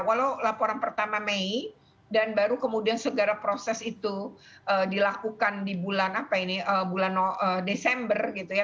walau laporan pertama mei dan baru kemudian segera proses itu dilakukan di bulan apa ini bulan desember gitu ya